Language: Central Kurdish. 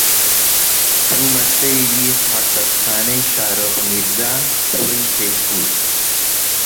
چوومە سەیری ڕەسەدخانەی شاروخ میرزا، کوڕی تەیموور